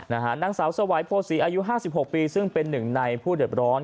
นางสาวสวัยโพศีอายุ๕๖ปีซึ่งเป็นหนึ่งในผู้เดือดร้อน